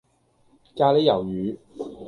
咖哩魷魚